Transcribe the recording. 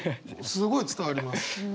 すごい伝わります。